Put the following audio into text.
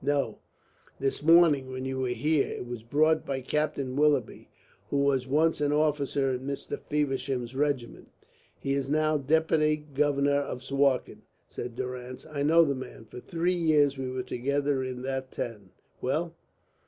"No, this morning when you were here. It was brought by a Captain Willoughby, who was once an officer in Mr. Feversham's regiment." "He is now Deputy Governor of Suakin," said Durrance. "I know the man. For three years we were together in that town. Well?"